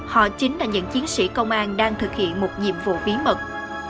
họ chính là những chiến sĩ công an đang thực hiện một nhiệm vụ bí mật